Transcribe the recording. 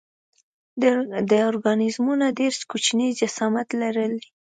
دا ارګانیزمونه ډېر کوچنی جسامت لري.